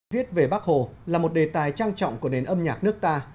viết về bác hồ là một đề tài trang trọng của nền âm nhạc nước ta